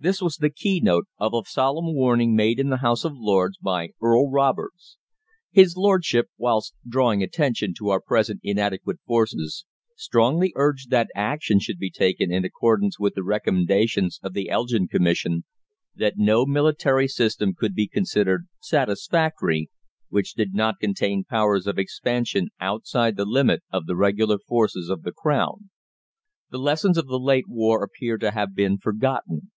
This was the keynote of a solemn warning made in the House of Lords by Earl Roberts. His lordship, whilst drawing attention to our present inadequate forces, strongly urged that action should be taken in accordance with the recommendations of the Elgin Commission that "no military system could be considered satisfactory which did not contain powers of expansion outside the limit of the regular forces of the Crown." "The lessons of the late war appear to have been forgotten.